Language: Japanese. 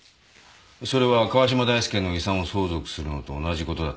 それは川嶋大介の遺産を相続するのと同じことだと思うよ。